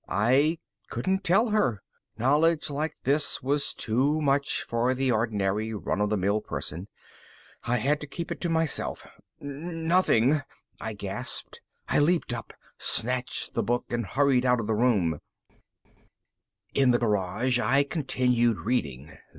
I couldn't tell her. Knowledge like this was too much for the ordinary run of the mill person. I had to keep it to myself. "Nothing," I gasped. I leaped up, snatched the book, and hurried out of the room. In the garage, I continued reading.